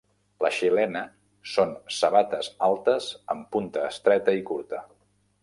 La xilena són sabates altes amb punta estreta i curta.